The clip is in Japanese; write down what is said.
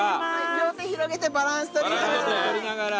両手広げてバランス取りながら。